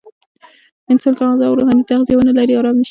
انسان که غذا او روحاني تغذیه ونلري، آرام نه شي.